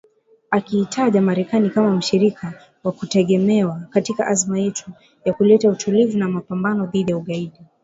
Akiitaja Marekani kama mshirika wa kutegemewa katika azma yetu ya kuleta utulivu na mapambano dhidi ya ugaidi.